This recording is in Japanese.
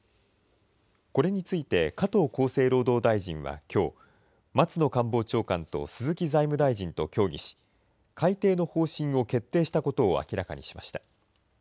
これについて加藤厚生労働大臣はきょう、松野官房長官と鈴木財務大臣と協議し、改定の方針を決定したことを明らかにしました。